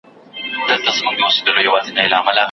د قیامت نښانې دغه دي ښکاریږي